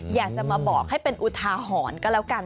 อยากจะมาบอกให้เป็นอุทาหรณ์ก็แล้วกัน